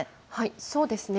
そうですね。